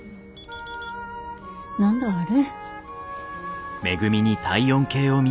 何度ある？